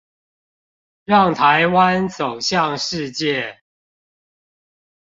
讓臺灣走向世界